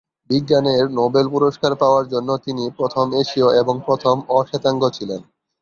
বিজ্ঞানের নোবেল পুরস্কার পাওয়ার জন্য তিনি প্রথম এশীয় এবং প্রথম অ-শ্বেতাঙ্গ ছিলেন।